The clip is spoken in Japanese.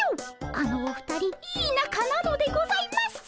あのお二人いいなかなのでございます。